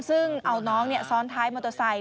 ซึ่งเอาน้องซ้อนท้ายมอเตอร์ไซค